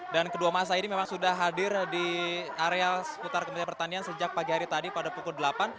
dan kedua masa ini memang sudah hadir di area seputar kementerian pertanian sejak pagi hari tadi pada pukul delapan